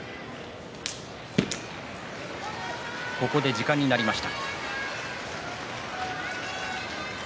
ここで時間になりました。